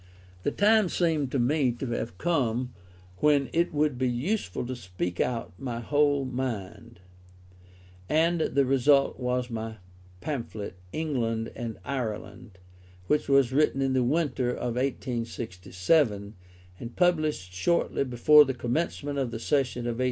The time seemed to me to have come when it would be useful to speak out my whole mind; and the result was my pamphlet England and Ireland, which was written in the winter of 1867, and published shortly before the commencement of the session of 1868.